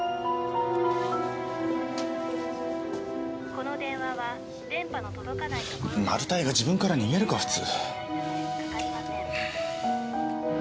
「この電話は電波の届かないところ」マルタイが自分から逃げるか普通。